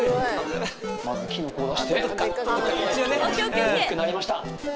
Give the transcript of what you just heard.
まずキノコを出して大きくなりました